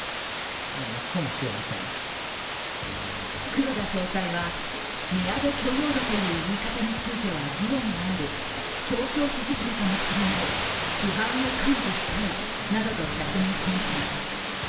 黒田総裁は値上げ許容度という言い方については議論がある強調しすぎたかもしれない、批判を甘受したいなどと釈明しました。